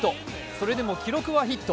それでも記録はヒット。